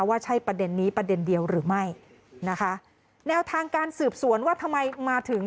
ว่าใช่ประเด็นนี้ประเด็นเดียวหรือไม่นะคะแนวทางการสืบสวนว่าทำไมมาถึง